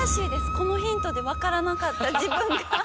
このヒントでわからなかったじぶんが。